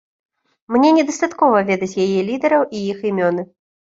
Мне недастаткова ведаць яе лідэраў і іх імёны.